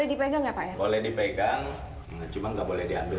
ini adalah batubara